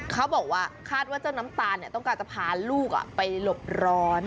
เขาบอกว่าคาดว่าเจ้าน้ำตาลต้องการจะพาลูกไปหลบร้อน